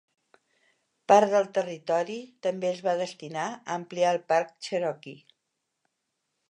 Part del territori també es va destinar a ampliar el Parc Cherokee.